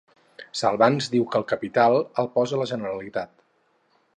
Salvans diu que el capital el posa la Generalitat.